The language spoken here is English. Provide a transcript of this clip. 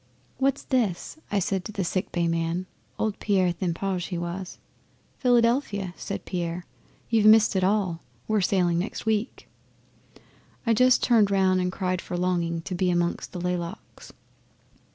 '"What's this?" I said to the sick bay man Old Pierre Tiphaigne he was. "Philadelphia," says Pierre. "You've missed it all. We're sailing next week." 'I just turned round and cried for longing to be amongst the laylocks.